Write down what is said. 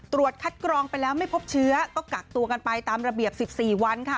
ตรวจคัดกรองไปแล้วไม่พบเชื้อก็กักตัวกันไปตามระเบียบ๑๔วันค่ะ